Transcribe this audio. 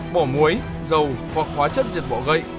bỏ muối dầu hoặc hóa chất diệt bọ gậy